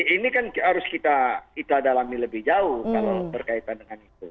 ini kan harus kita dalami lebih jauh kalau berkaitan dengan itu